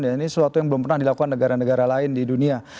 ini sesuatu yang belum pernah dilakukan negara negara lain di dunia